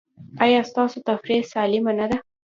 ایا ستاسو تفریح سالمه نه ده؟